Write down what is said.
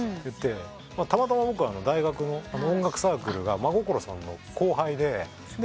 たまたま僕が大学の音楽サークルが真心さんの後輩で。